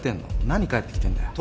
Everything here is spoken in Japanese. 何帰ってきてんだよ。